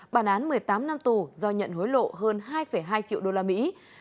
bản án một mươi tám năm tù do nhận hối lộ hơn hai hai triệu đô la mỹ